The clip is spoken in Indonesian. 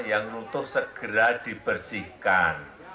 yang nutuh segera dibersihkan